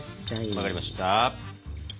分かりました。